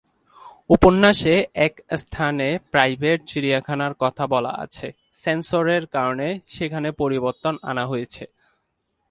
উপন্যাসে এক স্থানে প্রাইভেট চিড়িয়াখানার কথা বলা আছে, সেন্সরের কারণে সেখানে পরিবর্তন আনা হয়েছে।